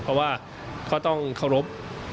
เพราะว่าก็ต้องขอรบ